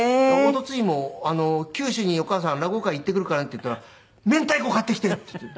一昨日も「九州にお母さん落語会行ってくるからね」って言ったら「めんたいこ買ってきて！」って言って。